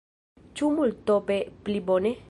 Ĉu multope pli bone?